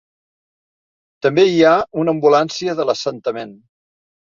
També hi ha una ambulància de l"assentament.